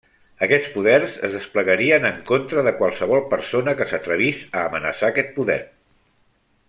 Aquests poders es desplegarien en contra de qualsevol persona que s'atrevís a amenaçar aquest poder.